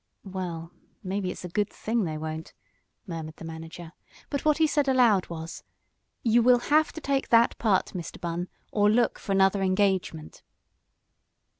"Well, maybe it's a good thing they won't," murmured the manager, but what he said, aloud, was: "You will have to take that part, Mr. Bunn, or look for another engagement."